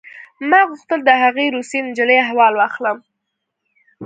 ما غوښتل د هغې روسۍ نجلۍ احوال واخلم